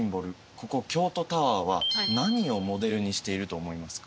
ここ京都タワーは何をモデルにしていると思いますか？